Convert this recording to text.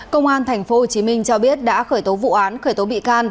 công an tp hcm cho biết đã khởi tố vụ án khởi tố bị can